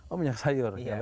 oh minyak sayur